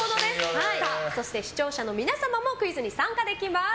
そして、視聴者の皆様もクイズに参加できます。